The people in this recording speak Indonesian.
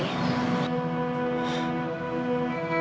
tidak ada apa apa